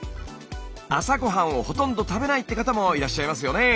朝ごはんをほとんど食べないって方もいらっしゃいますよね。